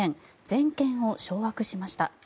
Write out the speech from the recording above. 全権を掌握しました。